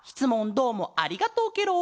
どうもありがとうケロ。